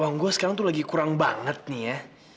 uang gua sekarang tuh lagi kurang banget nih ya